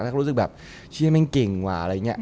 เราก็รู้สึกแบบเชี่ยมันเก่งว่าอะไรอย่างนี้